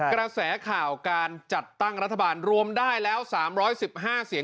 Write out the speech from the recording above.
กระแสข่าวการจัดตั้งรัฐบาลรวมได้แล้ว๓๑๕เสียง